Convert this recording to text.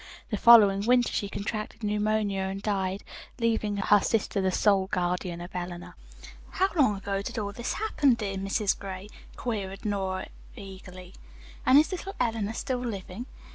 The following winter she contracted pneumonia and died, leaving her sister the sole guardian of Eleanor." "How long ago did all this happen, dear Mrs. Gray?" queried Nora eagerly, "and is little Eleanor living?"